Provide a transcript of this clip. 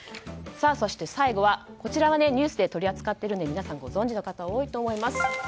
そして、最後はこちらはニュースで取り扱っているので皆さんご存じの方多いと思います。